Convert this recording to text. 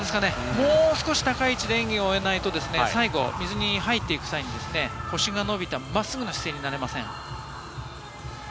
もう少し高い位置で演技を終えないと最後水に入っていく際、腰が伸びた、真っすぐな形になれません。